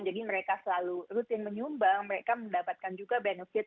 jadi mereka selalu rutin menyumbang mereka mendapatkan juga benefit